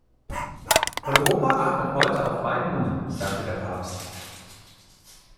Europa atmet heute auf beiden Lungen, sagte der Papst.